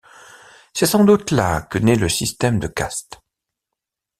C'est sans doute là que naît le système de castes.